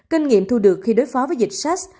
kinh nghiệm thu được khi đối phó với dịch sars